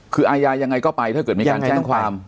คืออายายังไงก็ไปถ้าเกิดมีการแจ้งความ